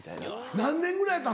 何年ぐらいやった？